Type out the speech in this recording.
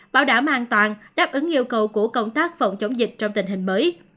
bảo đảm an toàn đáp ứng yêu cầu của công tác phòng chống dịch trong tình hình mới